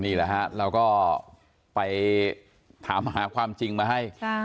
นี่แหละฮะเราก็ไปถามหาความจริงมาให้